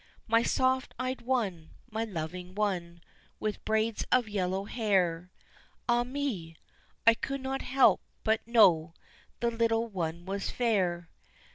My soft eyed one, my loving one, with braids of yellow hair Ah me! I could not help but know the little one was fair.